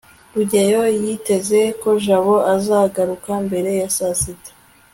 rugeyo yiteze ko jabo azagaruka mbere ya sasita